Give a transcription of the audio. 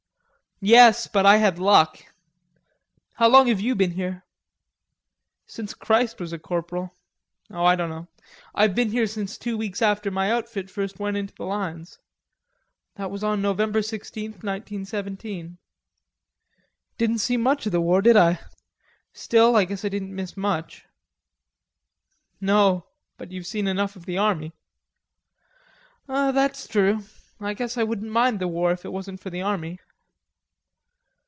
"Yes, but I had luck.... How long have you been here?" "Since Christ was a corporal. Oh, I doan know. I've been here since two weeks after my outfit first went into the lines.... That was on November 16th, 1917.... Didn't see much of the war, did I?... Still, I guess I didn't miss much." "No.... But you've seen enough of the army." "That's true.... I guess I wouldn't mind the war if it wasn't for the army."